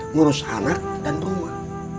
ngurus anak dan rumah